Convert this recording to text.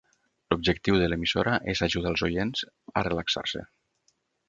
L'objectiu de l'emissora és ajudar els oients a relaxar-se.